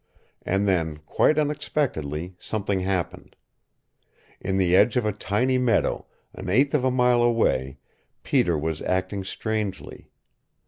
And then, quite unexpectedly, something happened. In the edge of a tiny meadow an eighth of a mile away Peter was acting strangely.